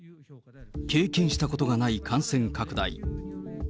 経験したことがない感染拡大。